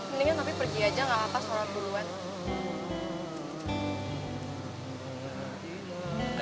mendingan tapi pergi aja gak lupa sholat duluan